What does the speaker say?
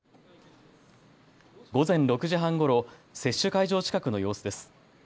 午前６時半ごろ接種会場近くの様子です。